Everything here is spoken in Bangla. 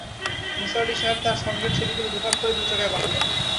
নিসার আলি সাহেব তাঁর সঙ্গের ছবিগুলি দু ভাগ করে দু জায়গায় পাঠালেন।